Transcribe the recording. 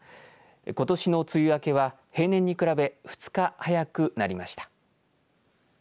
ことしの梅雨明けは平年に比べ２日早くなりました。